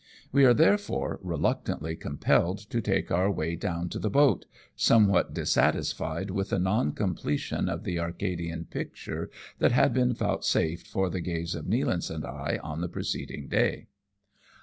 We are therefore reluctantly compelled to take our way down to the boat, somewhat dissatisfied with the non completion of the Arcadian picture that had been vouchsafed for the gaze of Nealance and I on the preceding day.